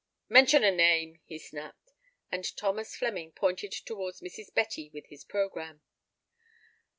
"Mention a name," he snapped. And Thomas Flemming pointed towards Mrs. Betty with his programme.